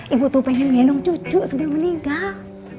ibu ingin mengandung cucu sebelum meninggal